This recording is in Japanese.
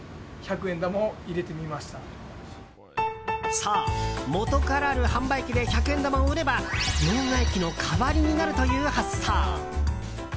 そう、元からある販売機で百円玉を売れば両替機の代わりになるという発想。